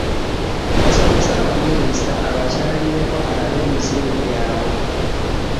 Baasabye ssaabaminisita abakyalireko alabe ebizibu byabwe.